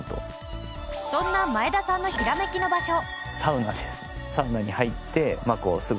そんな前田さんのヒラメキの場所。